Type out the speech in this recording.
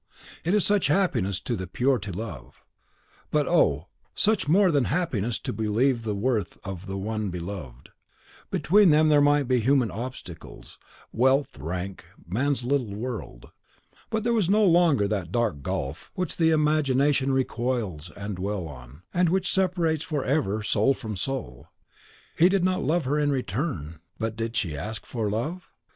It is such happiness to the pure to love, but oh, such more than happiness to believe in the worth of the one beloved. Between them there might be human obstacles, wealth, rank, man's little world. But there was no longer that dark gulf which the imagination recoils to dwell on, and which separates forever soul from soul. He did not love her in return. Love her! But did she ask for love?